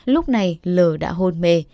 lúc này l đã hôn mê